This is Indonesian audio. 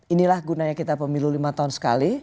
inilah gunanya kita pemilu lima tahun sekali